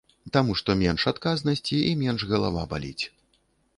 Таму што менш адказнасці і менш галава баліць.